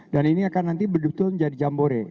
dan ini akan nanti berbetul menjadi jambore